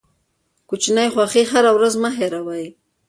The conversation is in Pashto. کوچني خوښۍ هره ورځ مه هېروئ.